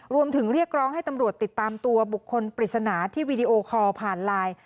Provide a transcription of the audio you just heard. เรียกร้องให้ตำรวจติดตามตัวบุคคลปริศนาที่วีดีโอคอลผ่านไลน์